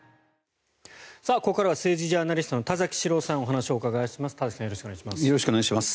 ここからは政治ジャーナリストの田崎史郎さんにお話をお伺いします。